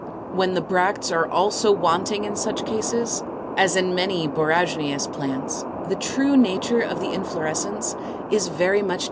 When the bracts are also wanting in such cases, as in many Borragineous plants, the true nature of the inflorescence is very much disguised.